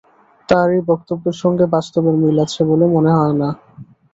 তাঁর এই বক্তব্যের সঙ্গে বাস্তবের মিল আছে বলে মনে হয় না।